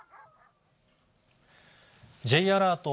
Ｊアラート